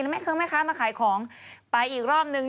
มีแม่เค้งแม่ค้ามาขายของไปอีกรอบนึง